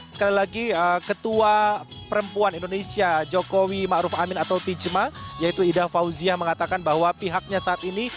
sekali lagi ketua perempuan indonesia jokowi ⁇ maruf ⁇ amin atau pijma yaitu ida fauzia mengatakan bahwa pihaknya saat ini